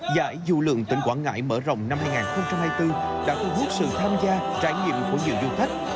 giải dù lượng tỉnh quảng ngãi mở rộng năm hai nghìn hai mươi bốn đã thu hút sự tham gia trải nghiệm của nhiều du khách